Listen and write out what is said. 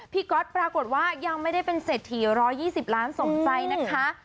ก๊อตปรากฏว่ายังไม่ได้เป็นเศรษฐี๑๒๐ล้านสมใจนะคะ